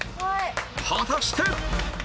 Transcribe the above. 果たして